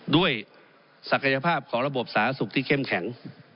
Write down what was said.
ศักยภาพของระบบสาธารณสุขที่เข้มแข็ง